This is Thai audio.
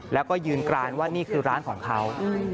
แล้วก็ยืนกรานว่านี่คือร้านของเขา